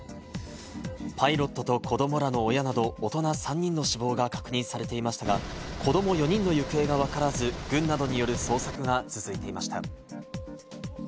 パイロットと子どもらの親など大人３人の死亡が確認されていましたが、子ども４人の行方がわからず、軍などによる捜索が続いていました。